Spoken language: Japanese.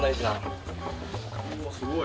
うわすごい。